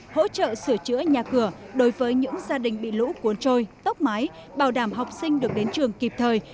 hỗ trợ sửa chữa nhà cửa đối với những gia đình bị lũ cuốn trôi tốc mái bảo đảm học sinh được đến trường kịp thời